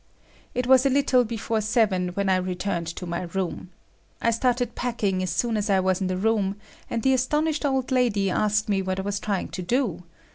It was a little before seven when I returned to my room. I started packing as soon as I was in the room, and the astonished old lady asked me what I was trying to do.